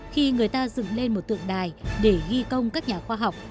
khi người ta dựng lên một tượng đài để ghi công các nhà khoa học